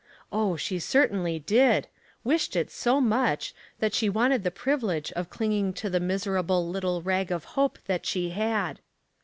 Oh, she certainly did — wished it so much that she wanted the privilege of clinging to the miserable little rag of hope that she had.